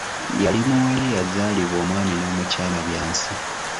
Yali muwala eyazaalibwa omwami n'omukyala Byansi.